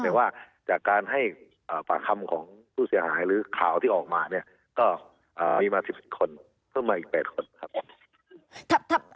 แต่ว่าจากการให้ปากคำของผู้เสียหายหรือข่าวที่ออกมาเนี่ยก็มีมา๑๑คนเพิ่มมาอีก๘คนครับ